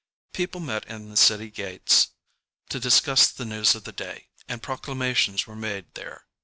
People met in the city gates to discuss the news of the day, and proclamations were made there.